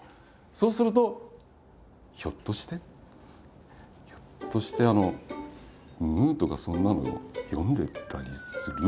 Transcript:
そうすると「ひょっとしてひょっとして『ムー』とかそんなの読んでたりする？」